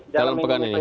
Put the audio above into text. dalam pekan ini